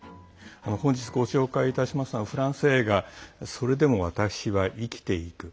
本日ご紹介いたしますのはフランス映画「それでも私は生きていく」。